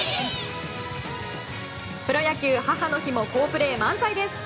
プロ野球母の日も好プレー満載です。